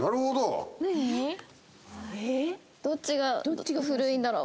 どっちが古いんだろう？